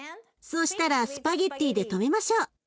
そうしたらスパゲッティで留めましょう。